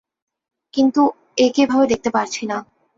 কিন্তু একে এভাবে দেখতে পারছি না।